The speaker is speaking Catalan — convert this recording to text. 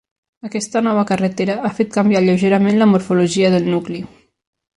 Aquesta nova carretera ha fet canviar lleugerament la morfologia del nucli.